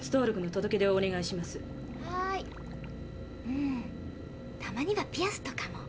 うんたまにはピアスとかも。